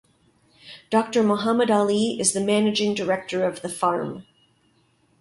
Doctor Mohammad Ali is the Managing Director of the farm.